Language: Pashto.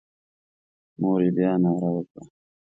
مور یې بیا ناره وکړه.